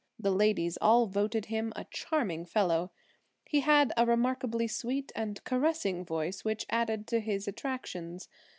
The ladies all voted him a charming fellow. He had a remarkably sweet and caressing voice, which added to his attractions.